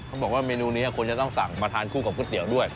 เขาบอกว่าเมนูนี้ควรจะต้องสั่งมาทานคู่กับก๋วยเตี๋ยวด้วย